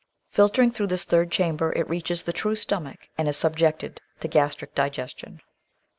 Filtering through this third cham ber, it reaches the true stomach and is subjected to gastric digestion.